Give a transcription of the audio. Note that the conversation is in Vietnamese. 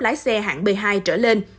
lái xe hạng b hai trở lên